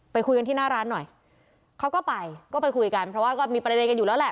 ไปคุยกันที่หน้าร้านหน่อยเขาก็ไปก็ไปคุยกันเพราะว่าก็มีประเด็นกันอยู่แล้วแหละ